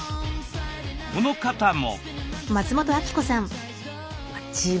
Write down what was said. この方も。